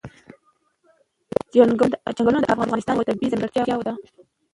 چنګلونه د افغانستان یوه طبیعي ځانګړتیا ده.